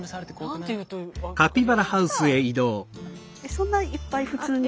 そんないっぱい普通に。